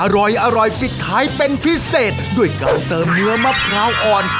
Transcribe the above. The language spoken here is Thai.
อร่อยปิดท้ายเป็นพิเศษด้วยการเติมเนื้อมะพร้าวอ่อน